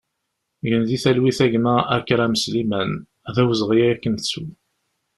Gen di talwit a gma Akram Sliman, d awezɣi ad k-nettu!